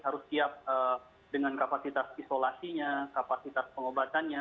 harus siap dengan kapasitas isolasinya kapasitas pengobatannya